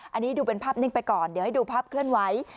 อันนี้ดูเป็นภาพนิ่งไปก่อนเดี๋ยวให้ดูภาพเคลื่อนไหว